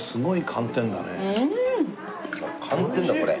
寒天だこれ。